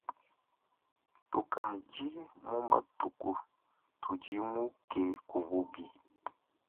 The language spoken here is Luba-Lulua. Tukadi mu matuku tudimuke ku bubi.